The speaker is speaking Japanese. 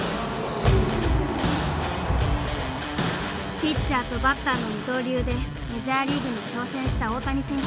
ピッチャーとバッターの二刀流でメジャーリーグに挑戦した大谷選手。